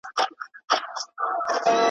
توري ورځي سپیني شپې مي نصیب راکړې.